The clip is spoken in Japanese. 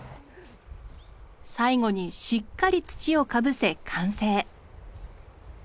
最後にしっかり土をかぶせ完成。